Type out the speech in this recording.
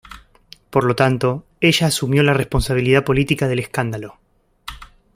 Por lo tanto, ella asumió la responsabilidad política del escándalo.